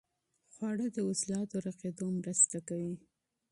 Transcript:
خواړه د عضلاتو رغېدو مرسته کوي.